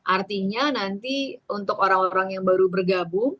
artinya nanti untuk orang orang yang baru bergabung